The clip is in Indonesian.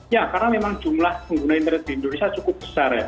ya karena memang jumlah pengguna internet di indonesia cukup besar ya